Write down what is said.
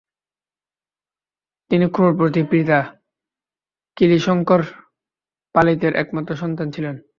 তিনি ক্রোড়পতি পিতা কালীশঙ্কর পালিতের একমাত্র সন্তান ছিলেন।